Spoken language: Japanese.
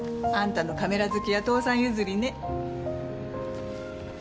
あんたのカメラ好きは父さん譲りね。